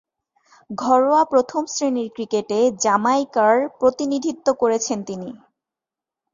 ঘরোয়া প্রথম-শ্রেণীর ক্রিকেটে জ্যামাইকার প্রতিনিধিত্ব করেছেন তিনি।